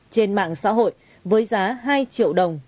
trên mạng xã hội với giá hai triệu đồng